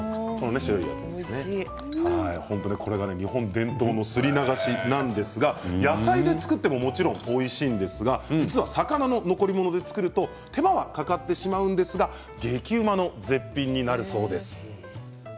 伝統のすり流しですが野菜で作ってももちろんおいしいですが実は魚の残り物で作ると手間はかかるけど激うまの絶品になるそうです。